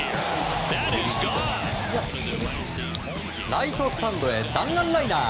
ライトスタンドへ弾丸ライナー！